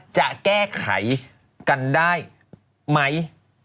จะแก้ไขกันได้ไหม